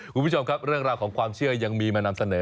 คุณผู้ชมครับเรื่องราวของความเชื่อยังมีมานำเสนอ